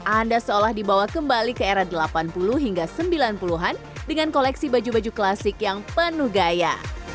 anda seolah dibawa kembali ke era delapan puluh hingga sembilan puluh an dengan koleksi baju baju klasik yang penuh gaya